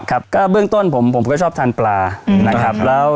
ครับก็เบื้องต้นผมก็ชอบทานปลานะครับ